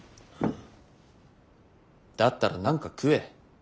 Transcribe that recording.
だったら何か食え。